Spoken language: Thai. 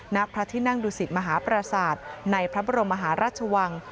ณพระที่นั่งดูสิทธิ์มหาประสาทในพระบรมมหาราชวัง